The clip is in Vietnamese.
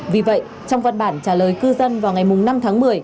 vì vậy trong văn bản trả lời cư dân vào ngày năm tháng một mươi